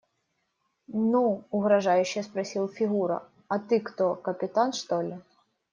– Ну, – угрожающе спросил Фигура, – а ты кто – капитан, что ли?